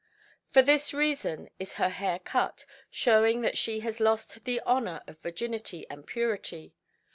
"For this reason is her hair cut, showing that she has lost the honour of virginity and purity.